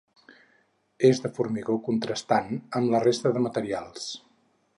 És de formigó contrastant amb la resta de materials.